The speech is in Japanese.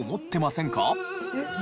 えっ？